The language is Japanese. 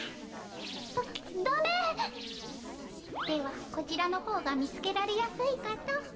ではこちらの方が見つけられやすいかと。